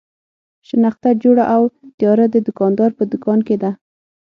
شنخته جوړه او تیاره د دوکاندار په دوکان کې ده.